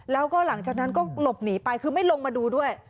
แล้วก็หลังจากนั้นก็หลบหนีไปคือไม่ลงมาดูด้วย